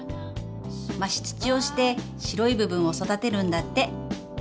増し土をして白い部分を育てるんだって。